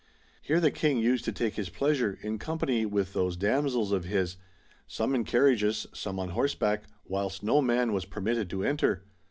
Here the king used to take his pleasure in company w ith those damsels of his ; some in carriages, some on horseback, whilst no man was permitted to enter.